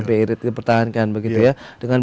prt dipertahankan begitu ya dengan